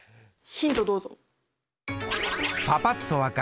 ヒントどうぞ。